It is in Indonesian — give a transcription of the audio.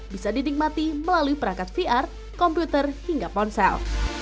bisa dinikmati melalui perangkat vr komputer hingga ponsel